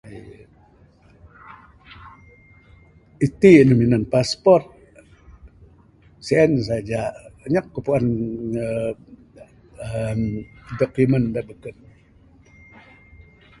Iti ne minan passport sien saja anyap ku puan neg aaa document da beken.